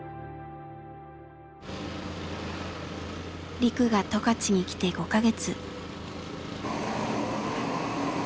リクが十勝に来て５か月。